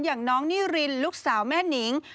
อย่างน้องนิรินลูกสาวแม่นิง